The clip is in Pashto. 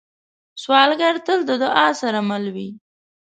سوالګر تل د دعا سره مل وي